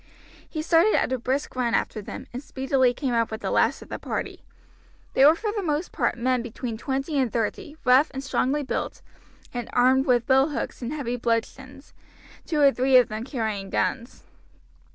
He started at a brisk run after them, and speedily came up to the last of the party. They were for the most part men between twenty and thirty, rough and strongly built, and armed with billhooks and heavy bludgeons, two or three of them carrying guns.